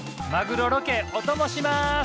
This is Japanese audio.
マグロロケお供します！